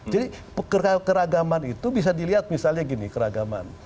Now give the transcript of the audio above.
jadi keragaman itu bisa dilihat misalnya gini keragaman